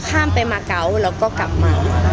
ข้ามไปมาเกาะแล้วก็กลับมา